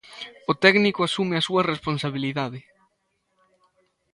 O técnico asume a súa responsabilidade.